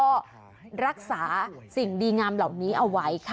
ก็รักษาสิ่งดีงามเหล่านี้เอาไว้ค่ะ